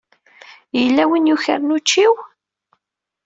Yella win i yukren učči-w.